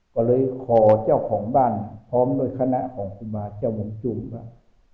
ก็เลยขอเจ้าของบ้านพร้อมด้วยคณะของครูบาเจ้าวงจูนว่า